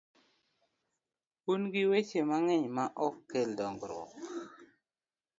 Un gi weche mang’eny ma ok kel dongruok